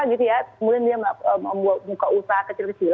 kemudian dia membuka usaha kecil kecil